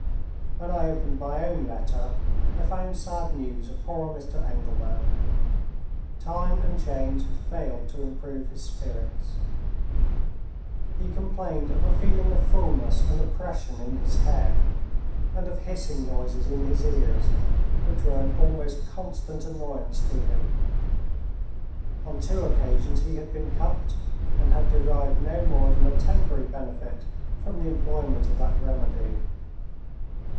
When I opened my own letter, I found sad news of poor Mr. Engelman. Time and change had failed to improve his spirits. He complained of a feeling of fullness and oppression in his head, and of hissing noises in his ears, which were an almost constant annoyance to him. On two occasions he had been cupped, and had derived no more than a temporary benefit from the employment of that remedy.